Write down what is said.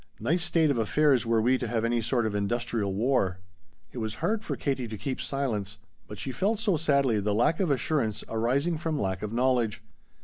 Nice state of affairs were we to have any sort of industrial war!" It was hard for Katie to keep silence, but she felt so sadly the lack of assurance arising from lack of knowledge.